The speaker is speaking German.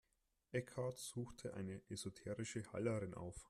Eckhart suchte eine esoterische Heilerin auf.